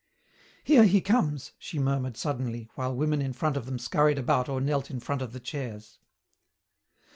"Here he comes!" she murmured suddenly, while women in front of them scurried about or knelt in front of the chairs.